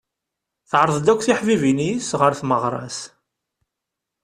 Teɛreḍ-d akk tiḥbibin-is ɣer tmeɣra-s.